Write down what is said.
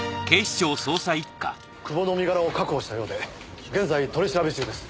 久保の身柄を確保したようで現在取り調べ中です。